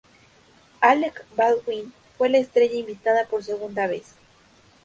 Alec Baldwin fue la estrella invitada por segunda vez.